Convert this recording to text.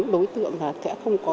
đối tượng sẽ không có